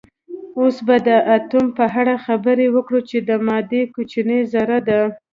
اوس به د اتوم په اړه خبرې وکړو چې د مادې کوچنۍ ذره ده